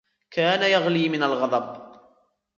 كان يغلي من الغضب